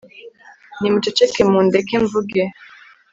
nimuceceke, mundeke mvuge